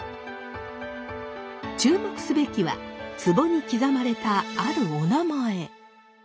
注目すべきはつぼに刻まれたあるおなまえ。